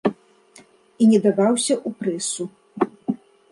І не даваўся ў прэсу.